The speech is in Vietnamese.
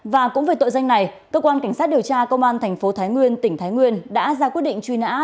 và cũng về tội danh này cơ quan cảnh sát điều tra công an thành phố thái nguyên tỉnh thái nguyên đã ra quyết định truy nã